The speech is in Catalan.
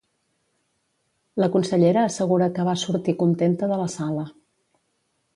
La consellera assegura que va sortir ‘contenta’ de la sala.